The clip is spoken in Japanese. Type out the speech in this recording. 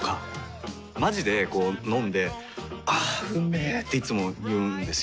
まじでこう飲んで「あーうんめ」っていつも言うんですよ。